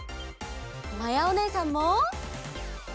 まやおねえさんも！